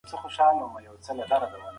آیا ته به ماته خپله نوې کاري ودانۍ وښایې؟